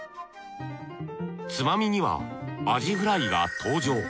つまみにはアジフライが登場。